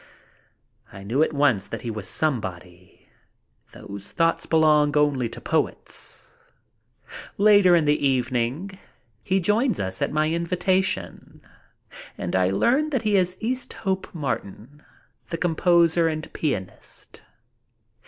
I knew at once that he was somebody. Those thoughts belong only to poets. Later in the evening he joins us at my invitation and I learn he is Easthope Martin, the com poser and pianist.